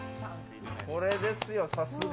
これですよ、さすが。